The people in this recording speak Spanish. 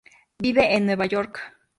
Vive en New York.